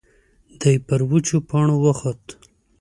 دی پر وچو پاڼو وخوت.